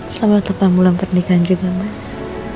selamat tahun bulan pernikahan juga mas